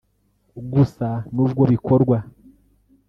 Gusa nubwo bikorwa